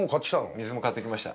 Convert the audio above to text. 水も買ってきました。